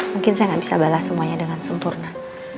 mungkin saya nggak bisa balas semuanya dengan sempurna